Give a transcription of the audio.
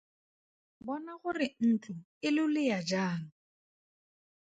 Bona gore ntlo e lolea jang!